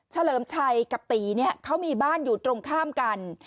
เลิมชัยกับตีเนี่ยเขามีบ้านอยู่ตรงข้ามกัน